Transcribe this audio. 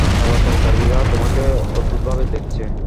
চলাচলকারীরা তোমাকে অদ্ভুতভাবে দেখছে।